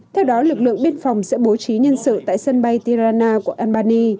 theo đó lực lượng biên phòng sẽ bố trí nhân sự tại sân bay tirana của albany